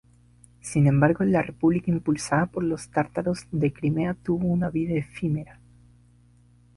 Sin embargo, la república impulsada por los tártaros de Crimea tuvo una vida efímera.